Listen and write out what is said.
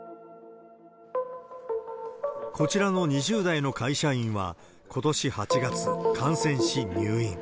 こちらの２０代の会社員はことし８月、感染し入院。